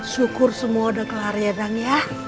syukur semua udah kelar ya kang ya